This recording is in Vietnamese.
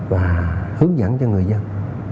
và hướng dẫn cho người dân